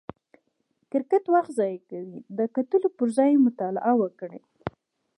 کرکټ وخت ضایع کوي، د کتلو پر ځای یې مطالعه وکړئ!